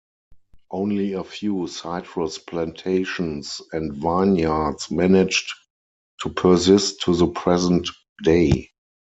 Only a few citrus plantations and vineyards managed to persist to the present day.